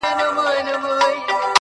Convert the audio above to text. غازي د خپلي خور پوړني ته بازار لټوي.!